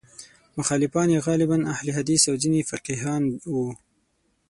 مخالفان یې غالباً اهل حدیث او ځینې فقیهان وو.